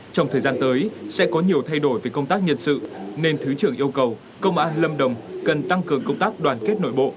trong thời gian tới sẽ có nhiều thay đổi về công tác nhân sự nên thứ trưởng yêu cầu công an lâm đồng cần tăng cường công tác đoàn kết nội bộ